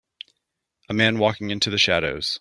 A man walking into the shadows.